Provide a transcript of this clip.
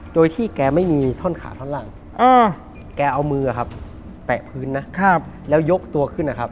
โดยที่แกไม่มีท่อนขาท่อนหลังแกเอามือแตะพื้นแล้วยกตัวขึ้น